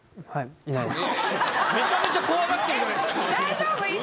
めちゃめちゃ怖がってるじゃないですか。